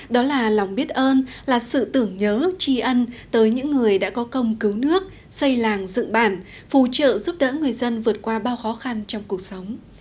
đó là lòng biết ơn là sự tưởng nhớ tri ân tới những người đã có công cứu nước xây làng dựng bản phù trợ giúp đỡ người dân vượt qua bao khó khăn trong cuộc sống